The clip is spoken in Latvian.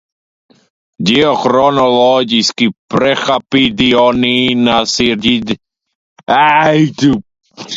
Ģeohronoloģiski prehapidioninīnas ir zināmas no paleocēna beigām līdz luteta laikmeta beigām eocēnā.